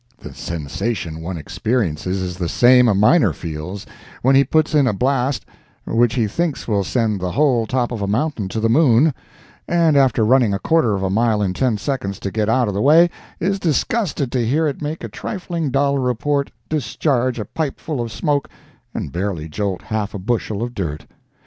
The sensation one experiences is the same a miner feels when he puts in a blast which he thinks will send the whole top of a mountain to the moon, and after running a quarter of a mile in ten seconds to get out of the way, is disgusted to hear it make a trifling, dull report, discharge a pipe full of smoke, and barely jolt half a bushel of dirt.